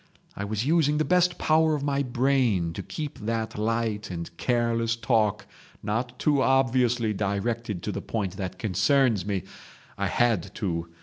I was using the best power of my brain to keep that light and careless talk not too obviously directed to the point that concerns me. I had to.